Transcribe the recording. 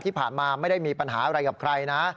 ที่ผ่านมาไม่ได้มีปัญหาอะไรกับใครนะ